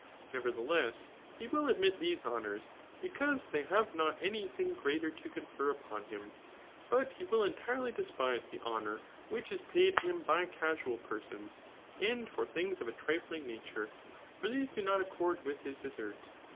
Nevertheless, he will admit these ho* nours, because they have not any thing greater to confer upon him. But he will ^idrely despise the honour which, is paid him by casual persons, and for things of a trifling nature ; for these do not accord with hk desert.